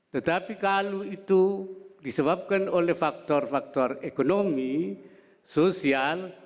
tetapi kalau itu disebabkan oleh faktor faktor ekonomi sosial